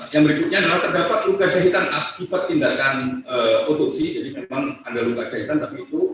yang berikutnya adalah terdapat luka jahitan akibat tindakan otopsi jadi memang ada luka jahitan tapi itu